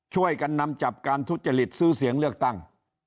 ช่วยกันนำจับการทุจริตซื้อเสียงเลือกตั้ง